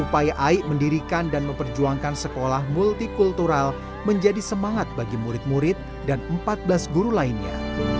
upaya aik mendirikan dan memperjuangkan sekolah multikultural menjadi semangat bagi murid murid dan empat belas guru lainnya